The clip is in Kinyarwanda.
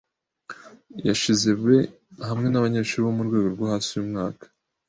Yishizebhamwe nabanyeshuri bo murwego rwo hasi rwuyu mwaka.